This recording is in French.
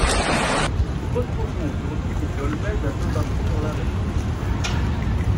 Nous retrouvons aujourd’hui des dolmens un peu partout dans la région.